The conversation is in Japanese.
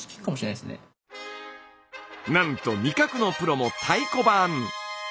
なんと味覚のプロも太鼓判！